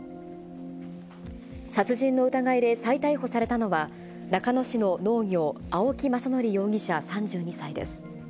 殺人の疑いで再逮捕されたのは、中野市の農業、青木政憲容疑者３２歳です。